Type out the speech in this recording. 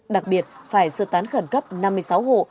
đặc biệt phải sơ tán khẩn cấp năm mươi sáu hộ